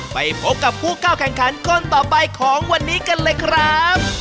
ไปพบกับผู้เข้าแข่งขันคนต่อไปของวันนี้กันเลยครับ